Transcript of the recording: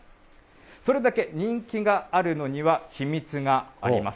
それだけ人気があるのには秘密があります。